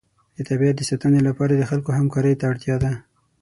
د طبیعت د ساتنې لپاره د خلکو همکارۍ ته اړتیا ده.